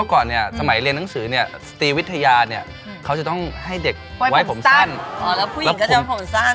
อ๋อแล้วผู้หญิงก็จะมีผมสั้นเหรอ